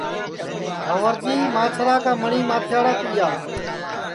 بھنٚورجی مانٚچھرا کا مٹؔی ماتھیڑا تِیا